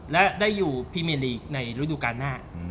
และได้อยู่พรีเมลีกในฤดูการหน้า